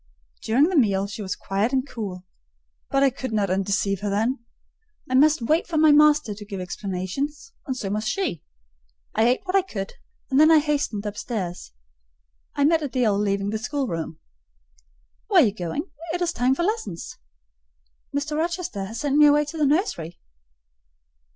During the meal she was quiet and cool: but I could not undeceive her then. I must wait for my master to give explanations; and so must she. I ate what I could, and then I hastened upstairs. I met Adèle leaving the schoolroom. "Where are you going? It is time for lessons." "Mr. Rochester has sent me away to the nursery."